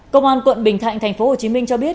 công an quận bình thạnh tp hcm cho biết